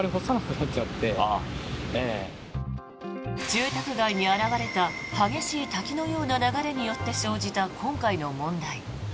住宅街に現れた激しい滝のような流れによって生じた今回の問題。